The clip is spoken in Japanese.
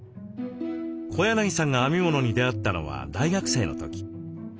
小柳さんが編み物に出会ったのは大学生の時。